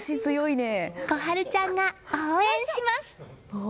心春ちゃんが応援します。